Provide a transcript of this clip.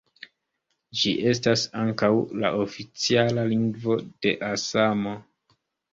Ĝi estas ankaŭ la oficiala lingvo de Asamo.